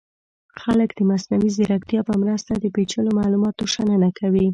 خلک د مصنوعي ځیرکتیا په مرسته د پیچلو معلوماتو شننه کوي.